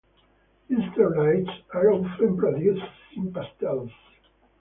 Easter lights are often produced in pastels.